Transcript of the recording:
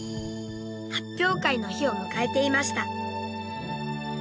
発表会の日を迎えていました。